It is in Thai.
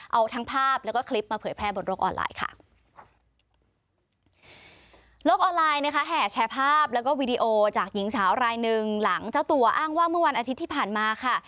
เอาทั้งภาพแล้วก็คลิปมาเผยแพร่บนโลกออนไลน์ค่ะโลกออนไลน์นะคะแห่แชร์ภาพแล้วก็วีดีโอจากหญิงสาวรายหนึ่งหลังเจ้าตัวอ้างว่าเมื่อวันอาทิตย์ที่ผ่านมาค่ะ